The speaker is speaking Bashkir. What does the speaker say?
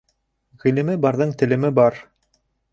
Ғилеме барҙың телеме бар.